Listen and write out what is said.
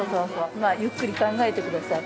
まあゆっくり考えてください。